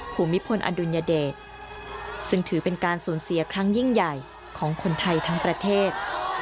ภูมิพลอดุลยเดชซึ่งถือเป็นการสูญเสียครั้งยิ่งใหญ่ของคนไทยทั้งประเทศ